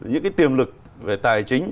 những cái tiềm lực về tài chính